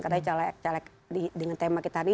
karena caleg caleg dengan tema kita tadi